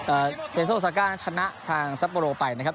เซ็นโซซาก้านั้นชนะทางซัปโบโรไปนะครับ